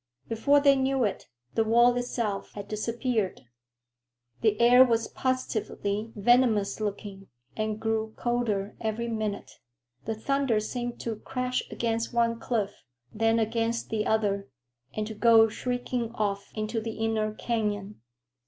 Before they knew it, the wall itself had disappeared. The air was positively venomous looking, and grew colder every minute. The thunder seemed to crash against one cliff, then against the other, and to go shrieking off into the inner canyon.